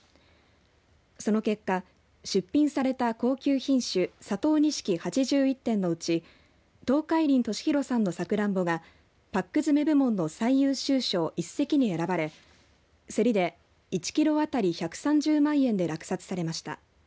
その結果、出品された高級品種佐藤錦８１点のうち東海林俊博さんのさくらんぼがパック詰め部門の最優秀賞一席に選ばれ競りで１キロ当たり１３０万円で落札されました。